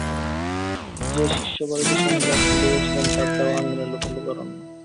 যে শিষ্যবাড়িতে স্বামীজি আশ্রয় লইয়াছেন তার দাওয়া আঙিনা লোকে লোকারণ্য।